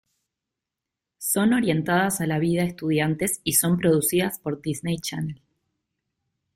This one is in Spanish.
Son orientadas a la vida estudiantes y son producidas por Disney Channel.